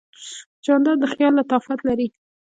جانداد د خیال لطافت لري.